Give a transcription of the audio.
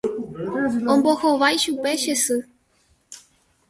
Ombohovái chupe che sy.